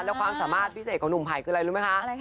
แล้วความสามารถพิเศษของหนุ่มไผ่คืออะไรรู้ไหมคะ